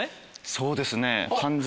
そうですね完全。